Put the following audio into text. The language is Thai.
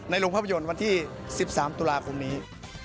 โรงภาพยนตร์วันที่๑๓ตุลาคมนี้